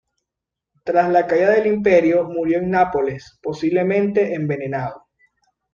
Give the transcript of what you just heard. Tras la caída del imperio, murió en Nápoles, posiblemente envenenado.